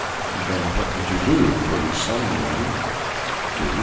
"Then what did you do?" queries some one. "Do?"